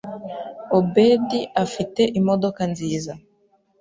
Obedi afite imodoka nziza